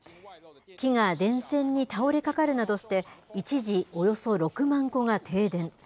木が電線に倒れかかるなどして、一時、およそ６万戸が停電。